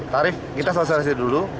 tarif kita sosialisasi dulu